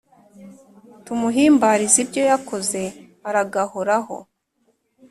Tumuhimbariz’ibyo yakoze aragahoraho